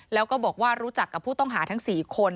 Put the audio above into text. แล้วก็บอกว่ารู้จักกับผู้ต้องหาทั้ง๔คน